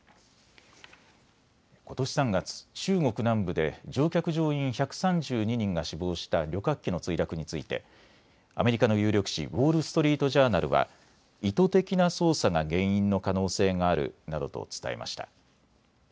ことし３月、中国南部で乗客乗員１３２人が死亡した旅客機の墜落についてアメリカの有力紙、ウォール・ストリート・ジャーナルは意図的な操作が原因の可能性があるなどと伝えました。